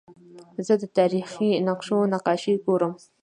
زه د تاریخي نقشو نقاشي ګورم.